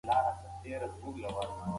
هر فرد په ټولنه کې ارزښت لري.